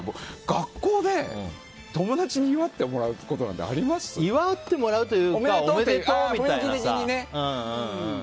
学校で友達に祝ってもらうことなんて祝ってもらうというかおめでとうみたいなさ。